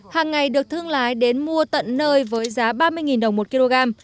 hàng ngày được thương lái đến mua tận nơi với giá ba mươi đồng một kg